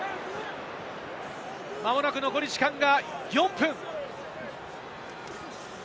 間もなく残り時間４分。